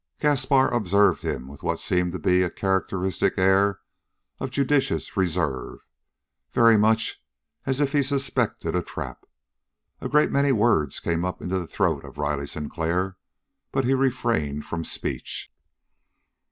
Gaspar observed him with what seemed to be a characteristic air of judicious reserve, very much as if he suspected a trap. A great many words came up into the throat of Riley Sinclair, but he refrained from speech.